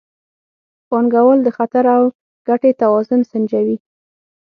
پانګوال د خطر او ګټې توازن سنجوي.